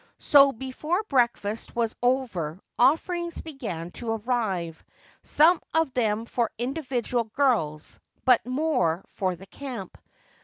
So before breakfast was over offerings began to arrive, some of them for individual girls but more for the camp.